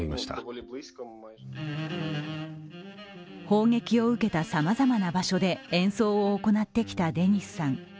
砲撃を受けたさまざまな場所で演奏を行ってきたデニスさん。